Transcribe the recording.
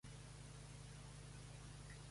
Dark Feather ha tenido muchos integrantes.